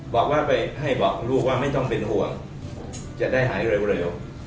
บอกว่าไปให้บอกลูกว่าไม่ต้องเป็นห่วงจะได้หายเร็ว